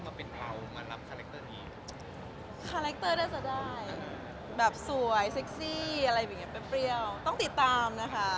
แบบสวยเซ็กซี่อะไรแบบนี้แป๊บเปรี้ยวต้องติดตามนะคะ